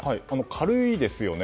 軽いですね。